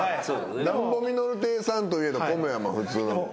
何ぼみのる亭さんといえど米は普通の。